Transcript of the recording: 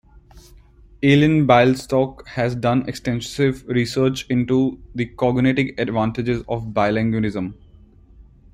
Ellen Bialystok has done extensive research into the cognitive advantages of bilingualism.